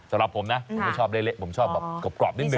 สำหรับผมนะผมไม่ชอบเละผมชอบแบบกรอบนิดนึ